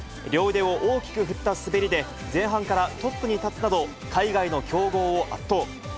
両腕を大きく振った滑りで、前半からトップに立つなど、海外の強豪を圧倒。